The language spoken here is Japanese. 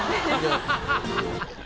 ハハハハ！